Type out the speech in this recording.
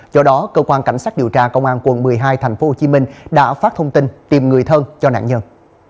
do đó cơ quan cảnh sát điều tra công an quận một mươi hai tp hcm đã phát thông tin tìm người thân cho nạn nhân